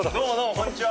こんにちは。